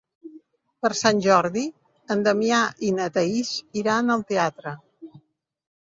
Per Sant Jordi en Damià i na Thaís iran al teatre.